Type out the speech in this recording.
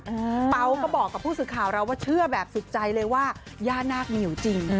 เปล่าก็บอกกับผู้สื่อข่าวเราว่าเชื่อแบบสุดใจเลยว่าย่านาคมีอยู่จริง